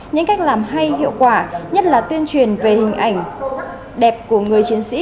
những cách làm hay hiệu quả nhất là tuyên truyền về hình ảnh đẹp của người chiến sĩ